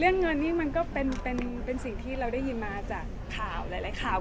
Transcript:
เรื่องเงินนี่มันก็เป็นสิ่งที่เราได้ยินมาจากข่าวหลายข่าว